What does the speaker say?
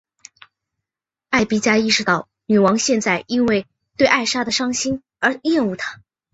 艾碧嘉意识到女王现在因为对莎拉的伤心而厌恶她。